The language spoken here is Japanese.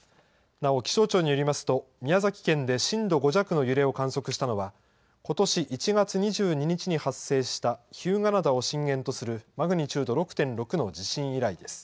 なお、気象庁によりますと、宮崎県で震度５弱の揺れを観測したのはことし１月２２日に発生した日向灘を震源とするマグニチュード６．６の地震以来です。